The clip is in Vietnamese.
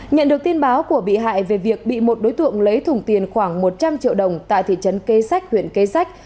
nhận được tin báo của bị hại về việc bị một đối tượng lấy thùng tiền khoảng một trăm linh triệu đồng tại thị trấn kế sách huyện kế sách